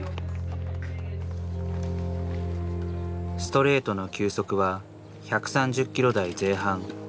ストレートの球速は１３０キロ台前半。